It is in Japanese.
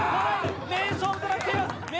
名勝負となっています。